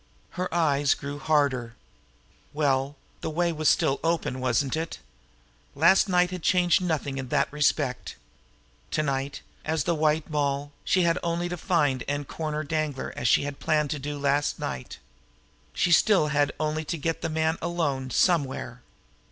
Her eyes grew harder. Well, the way was still open, wasn't it? Last night had changed nothing in that respect. To night, as the White Moll, she had only to find and corner Danglar as she had planned to do last night. She had still only to get the man alone somewhere.